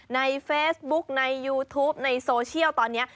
ในเฟซบุ๊กในยูทูปในโซเชียลตอนนี้